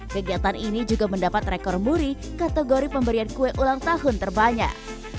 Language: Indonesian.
kegiatan ini juga mendapat rekor muri kategori pemberian kue ulang tahun terbanyak